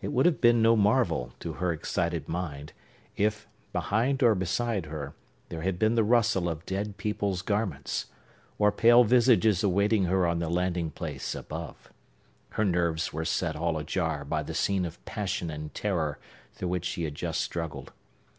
It would have been no marvel, to her excited mind, if, behind or beside her, there had been the rustle of dead people's garments, or pale visages awaiting her on the landing place above. Her nerves were set all ajar by the scene of passion and terror through which she had just struggled.